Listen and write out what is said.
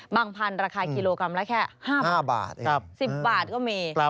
พันธุ์ราคากิโลกรัมละแค่๕๕บาท๑๐บาทก็มี